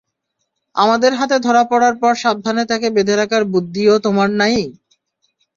আমাদের হাতে ধরা পড়ার পর সাবধানে তাকে বেঁধে রাখার বুদ্ধিও তোমার নেই?